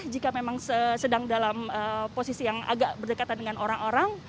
jika memang sedang dalam posisi yang agak berdekatan dengan orang orang